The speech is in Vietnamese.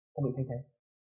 không bị thay thế